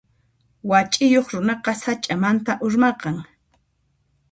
Wach'iyuq runaqa sach'amanta urmaqan.